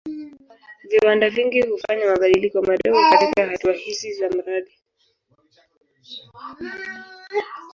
Viwanda vingi hufanya mabadiliko madogo katika hatua hizi za mradi.